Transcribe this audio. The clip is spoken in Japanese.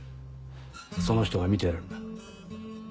その人が見てるんだ。